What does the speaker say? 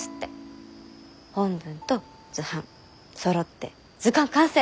本文と図版そろって図鑑完成！